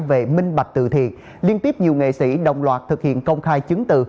về minh bạch từ thiền liên tiếp nhiều nghệ sĩ đồng loạt thực hiện công khai chứng tự